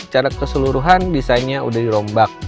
secara keseluruhan desainnya udah dirombak